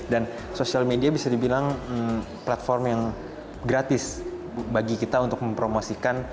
dan sosial media bisa dibilang platform yang gratis bagi kita untuk mempromosikan